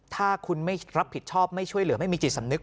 ถ้าคุณไม่รับผิดชอบไม่ช่วยเหลือไม่มีจิตสำนึก